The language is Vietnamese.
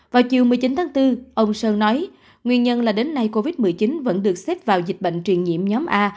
vào chiều một mươi chín tháng bốn ông sơn nói nguyên nhân là đến nay covid một mươi chín vẫn được xếp vào dịch bệnh truyền nhiễm nhóm a